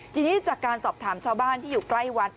ทีนี้จากการสอบถามชาวบ้านที่อยู่ใกล้วัด